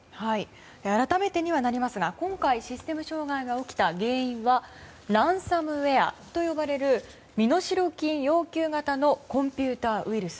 改めてになりますが今回システム障害が起きた原因はランサムウェアと呼ばれる身代金要求型のコンピューターウイルス。